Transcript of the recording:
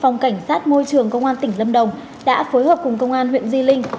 phòng cảnh sát môi trường công an tỉnh lâm đồng đã phối hợp cùng công an huyện di linh